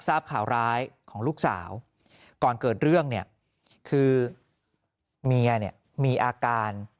ทราบขาวร้ายของลูกสาวก่อนเกิดเรื่องเนี่ยคือมีอาการ